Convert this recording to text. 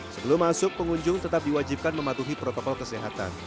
sebelum masuk pengunjung tetap diwajibkan mematuhi protokol kesehatan